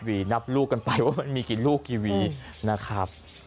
นับลูกกันไปว่ามันมีกี่ลูกกี่วีนะครับ